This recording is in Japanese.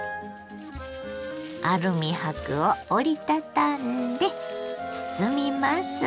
アルミ箔を折り畳んで包みます。